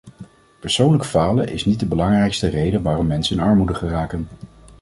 Persoonlijk falen is niet de belangrijkste reden waarom mensen in armoede geraken.